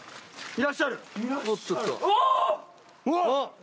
いらっしゃるお！